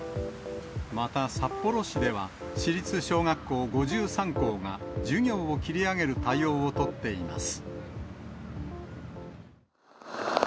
また札幌市では、市立小学校５３校が授業を切り上げる対応を取っています。